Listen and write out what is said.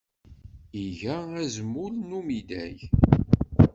Iga azmul n umidag.